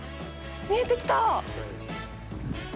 見えてきた。